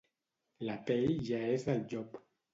La pell ja és del llop.